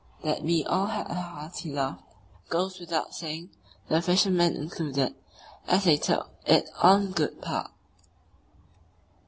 That we all had a hearty laugh goes without saying, the fishermen included, as they took it all in good part.